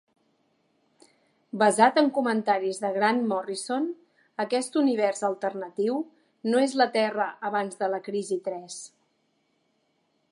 Basat en comentaris de Grant Morrison, aquest univers alternatiu no és la Terra abans de la crisi tres.